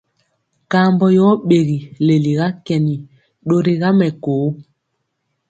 Kambɔ yɔ ɓegi leliga kɛni, ɗori ga mɛkoo.